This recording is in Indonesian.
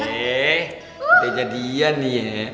eh pejadian ya